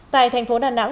tại thành phố đà nẵng